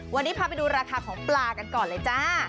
วันนี้พาไปดูราคาของปลากันก่อนเลยจ้า